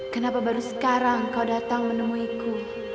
kenapa baru sekarang kau datang menemuiku